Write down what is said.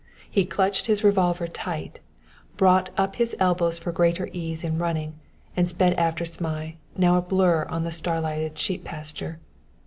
He clutched his revolver tight, brought up his elbows for greater ease in running, and sped after Zmai, now a blur on the starlighted sheep pasture.